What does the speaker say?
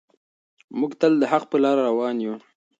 موږ تل د حق په لاره روان یو.